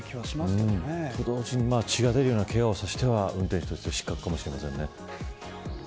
子どもたちに血が出るようなけがをさせては運転手として失格かもしれません。